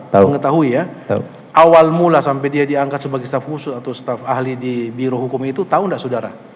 saya mengetahui ya awal mula sampai dia diangkat sebagai staf khusus atau staff ahli di biro hukum itu tahu tidak saudara